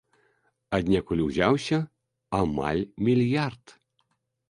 Аднекуль узяўся амаль мільярд!